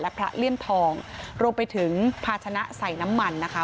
พระเลี่ยมทองรวมไปถึงภาชนะใส่น้ำมันนะคะ